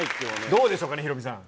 どうでしょうかね、ヒロミさん。